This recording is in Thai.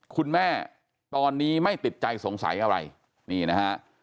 คุณแม่ตอนนี้ไม่ติดใจสงสัยอะไรนี่นะฮะ